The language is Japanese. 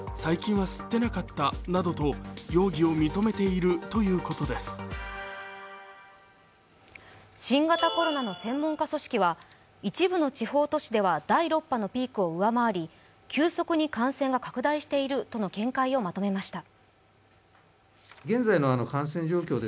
取り調べに対しこう供述したうえで新型コロナの専門家組織は一部の地方都市では第６波を上回り急速に感染が拡大しているとの見解をまとめました。